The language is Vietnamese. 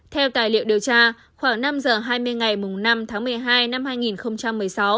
theo tài liệu điều tra khoảng năm giờ hai mươi ngày năm tháng một mươi hai năm hai nghìn một mươi sáu